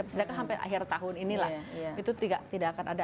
sedangkan sampai akhir tahun inilah itu tidak akan ada